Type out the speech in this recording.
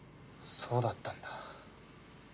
そうだったんだ。